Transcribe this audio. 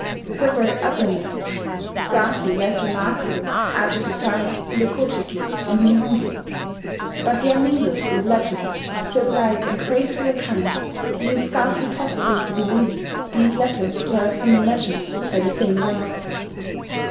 Several other myths scarcely less remarkable are to be found in the Ko ji ki and Nihongi; but they are mingled with legends of so light and graceful a kind that it is scarcely possible to believe these latter to have been imagined by the same race.